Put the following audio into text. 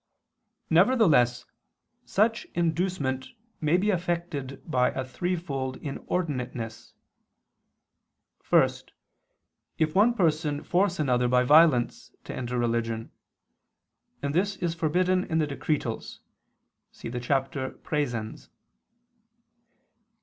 Nevertheless such inducement may be affected by a threefold inordinateness. First, if one person force another by violence to enter religion: and this is forbidden in the Decretals (XX, qu. iii, cap. Praesens).